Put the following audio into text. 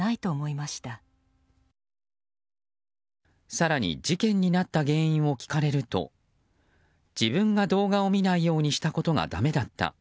更に事件になった原因を聞かれると自分が動画を見ないようにしたことがだめだった。